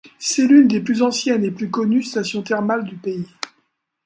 C'est l'une des plus anciennes et des plus connues stations thermales du pays.